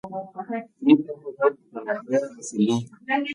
Hizo un dueto con Andrea Bocelli.